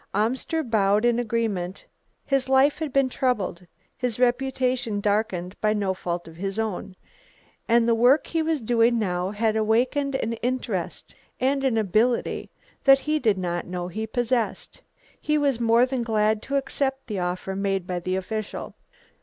Amster bowed in agreement. His life had been troubled, his reputation darkened by no fault of his own, and the work he was doing now had awakened an interest and an ability that he did not know he possessed. He was more than glad to accept the offer made by the official.